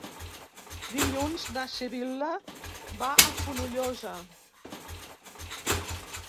Dilluns na Sibil·la va a Fonollosa.